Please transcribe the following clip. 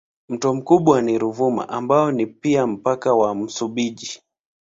Mto mkubwa ni Ruvuma ambao ni pia mpaka wa Msumbiji.